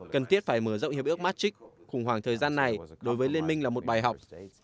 cần thiết phải mở rộng hiệp ước matrick khủng hoảng thời gian này đối với liên minh là một bài học